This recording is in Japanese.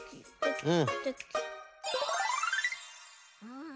うん。